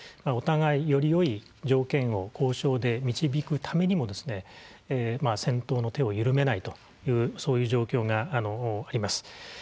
お互いよりよい条件を交渉で導くためにも戦闘の手を緩めないというそういう状況があります。